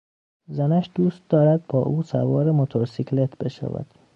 زنش دوست دارد با او سوار موتورسیکلت بشود.